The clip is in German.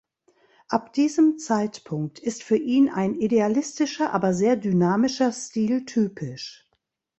Ab diesem Zeitpunkt ist für ihn ein idealistischer, aber sehr dynamischer Stil typisch.